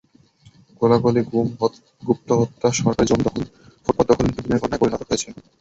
গোলাগুলি, গুম, গুপ্তহত্যা, সরকারি জমি দখল, ফুটপাত দখল নিত্যদিনের ঘটনায় পরিণত হয়েছে।